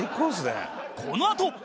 このあと